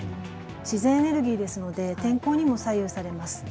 自然エネルギーですので天候にも左右されます。